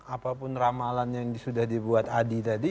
apapun ramalan yang sudah dibuat adi tadi